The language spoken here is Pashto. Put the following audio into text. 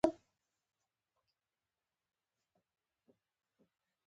کله چې پنځه کلن وم مور به مې راته ویل.